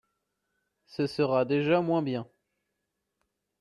Ce sera déjà moins bien.